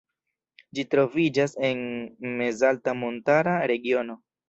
Ĝi troviĝas en mezalta montara regiono.